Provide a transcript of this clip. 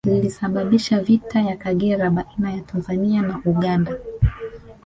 Lilisababisha vita ya Kagera baina ya Tanzania na Uganda